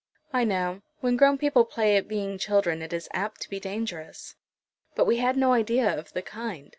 "I know. When grown people play at being children, it is apt to be dangerous." "But we had no idea of the kind.